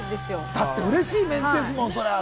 だってうれしいメンツですもん。